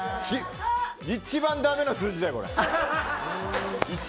一番ダメな数字だよ、これ。